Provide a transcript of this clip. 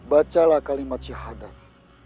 bacalah kalimat syihadat